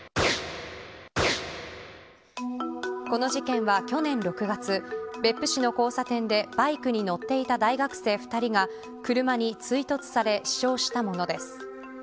この事件は去年６月別府市の交差点でバイクに乗っていた大学生２人が車に追突され死傷したものです。